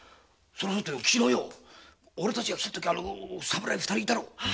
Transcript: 昨日俺たちが来たとき侍が二人いたろ？